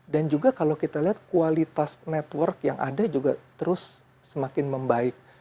dan juga kalau kita lihat kualitas network yang ada juga terus semakin membaik